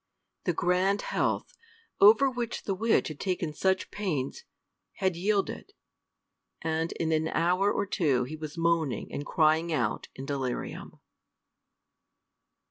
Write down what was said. The grand health, over which the witch had taken such pains, had yielded, and in an hour or two he was moaning and crying out in delirium.